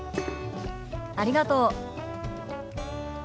ありがとう。